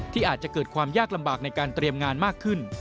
อาจจะเกิดความยากลำบากในการเตรียมงานมากขึ้น